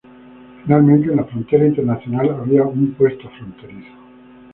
Finalmente, en la frontera internacional, había una puesto fronterizo.